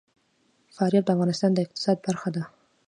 فاریاب د افغانستان د اقتصاد برخه ده.